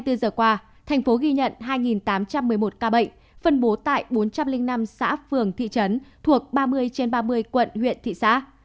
hai mươi bốn giờ qua thành phố ghi nhận hai tám trăm một mươi một ca bệnh phân bố tại bốn trăm linh năm xã phường thị trấn thuộc ba mươi trên ba mươi quận huyện thị xã